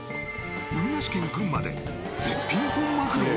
海なし県群馬で絶品本マグロ！？